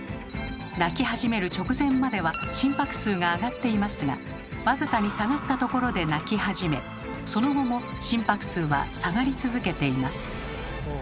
泣き始める直前までは心拍数が上がっていますが僅かに下がったところで泣き始めその後も心拍数は下がり続けています。